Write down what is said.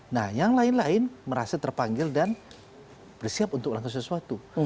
nah yang lain lain merasa terpanggil dan bersiap untuk melakukan sesuatu